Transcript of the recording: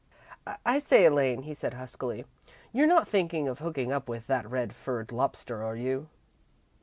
"I say, Elaine," he said, huskily, "you're not thinking of hooking up with that red furred lobster, are you?"